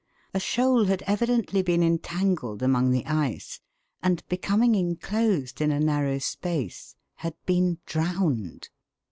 A shoal had evidently been entangled among the ice, and becoming enclosed in a narrow space, had been droivned